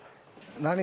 何？